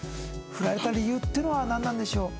フラれた理由っていうのはなんなんでしょう？